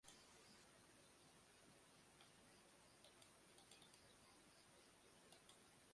আজ আমাকে কেন বলছো বাবাকে চাদর দেওয়ার জন্য?